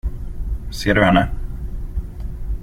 Ser du henne?